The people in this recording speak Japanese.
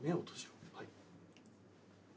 はい。